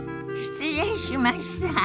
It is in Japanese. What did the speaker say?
失礼しました。